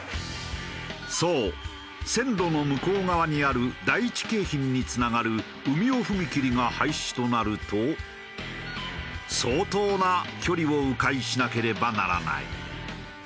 そう線路の向こう側にある第一京浜につながる生見尾踏切が廃止となると相当な距離を迂回しなければならない。